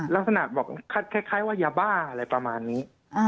ลักษณะบอกคล้ายว่ายาบ้าอะไรประมาณนี้